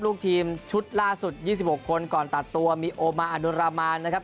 ลูกทีมชุดล่าสุด๒๖คนก่อนตัดตัวมีโอมาอนุรามานนะครับ